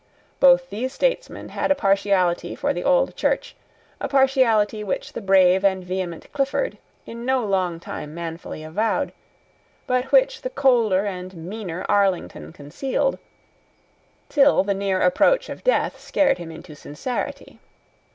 Both these statesmen had a partiality for the old Church, a partiality which the brave and vehement Clifford in no long time manfully avowed, but which the colder and meaner Arlington concealed, till the near approach of death scared him into sincerity.